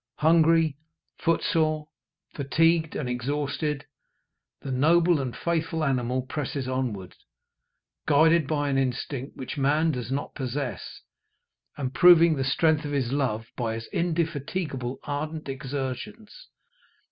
Hungry, foot sore, fatigued, and exhausted, the noble and faithful animal presses onward, guided by an instinct which man does not possess, and proving the strength of his love by his indefatigable and ardent exertions.